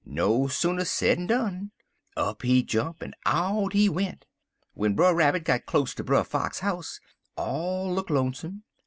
No sooner said'n done. Up he jump, en out he went. W'en Brer Rabbit got close ter Brer Fox house, all look lonesome.